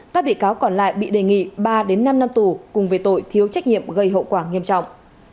các bị cáo còn lại bị đề nghị ba năm năm tù cùng về tội thiếu trách nhiệm gây hậu quả nghiêm trọng